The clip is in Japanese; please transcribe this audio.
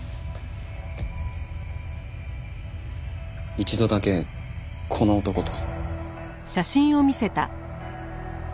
一度だけこの男と。